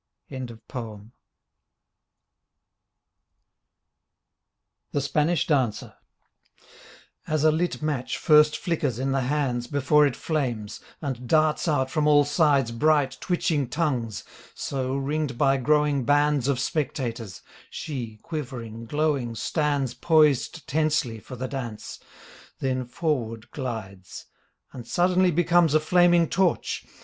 45 THE SPANISH DANCER As a lit match first flickers in the hands Before it flames, and darts out from all sides Bright, twitching tongues, so, ringed by growing bands Of spectators — she, quivering, glowing stands Poised tensely for the dance — then forward glides And suddenly becomes a flaming torch.